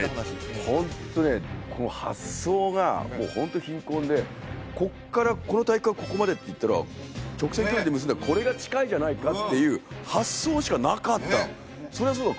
ホントね発想がもうホント貧困でここからこの大陸がここまでっていったら直線距離で結んだこれが近いじゃないかっていう発想しかなかったのそりゃそうだ